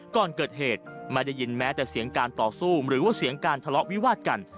ก่อนเกิดเหตุไม่ได้ยินแม้แต่เสียงการต่อสู้หรือว่าเสียงการทะเลาะวิวาดกัน